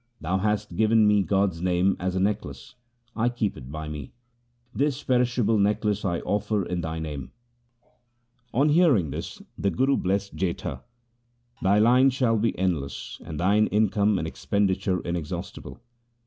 Thou hast given me God's name as a necklace ; I keep it by me. This perishable neck lace I have offered in thy name.' On hearing this the Guru blessed Jetha :' Thy line shall be endless and thine income and expenditure inexhaustible.'